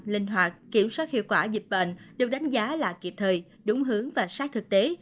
linh hoạt kiểm soát hiệu quả dịch bệnh được đánh giá là kịp thời đúng hướng và sát thực tế